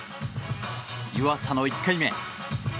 湯浅の１回目。